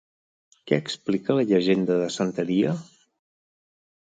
Què explica la llegenda de Santería?